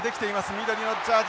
緑のジャージ